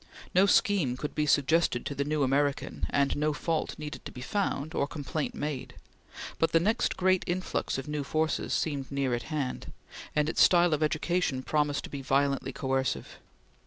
No scheme could be suggested to the new American, and no fault needed to be found, or complaint made; but the next great influx of new forces seemed near at hand, and its style of education promised to be violently coercive.